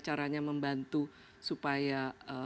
caranya membantu supaya